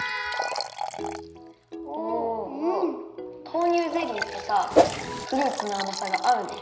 豆乳ゼリーとさフルーツのあまさがあうね。